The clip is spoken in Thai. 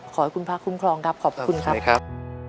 ขอให้คุณพระคุ้มครองครับขอบคุณครับครับ